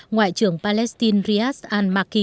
ngoại trưởng palestine riyad al makki